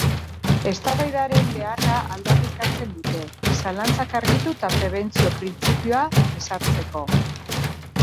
Eztabaidaren beharra aldarrikatzen dute, zalantzak argitu eta prebentzio-printzipioa ezartzeko.